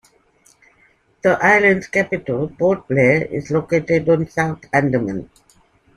The islands' capital, Port Blair, is located on South Andaman.